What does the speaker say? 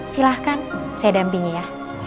silahkan saya dampingi ya